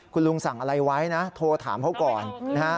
คุณลุงสั่งอะไรไว้นะโทรถามเขาก่อนนะฮะ